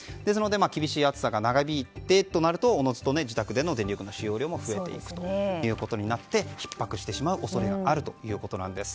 厳しい暑さが長引いてとなるとおのずと自宅での電力の使用量も増えるとなってひっ迫してしまう恐れがあるということなんです。